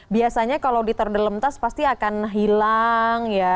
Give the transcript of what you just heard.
biasanya kalau diterdelem tas pasti akan hilang ya